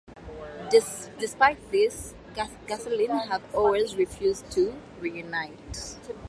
Despite this, Gasolin' have always refused to reunite.